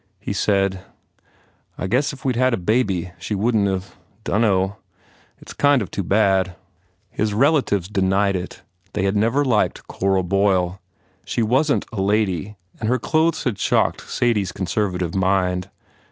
He said, "I guess if we d had a baby, she wouldn t of Dunno .... It s kind of too bad." His relatives denied it. They had never liked Cora Boyle. She wasn t a lady and her clothes had shocked Sadie s conservative mind.